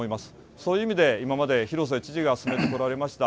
そういう意味で、今までひろせ知事が進めてこられました